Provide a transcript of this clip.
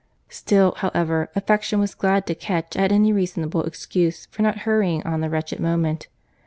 Still, however, affection was glad to catch at any reasonable excuse for not hurrying on the wretched moment.